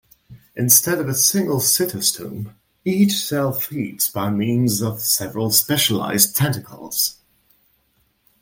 Instead of a single cytostome, each cell feeds by means of several specialized tentacles.